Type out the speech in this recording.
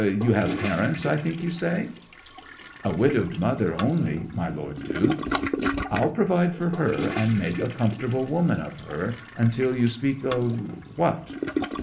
You have parents, I think you say?' 'A widowed mother only, my Lord Duke.' 'I'll provide for her, and make a comfortable woman of her, until you speak of what?'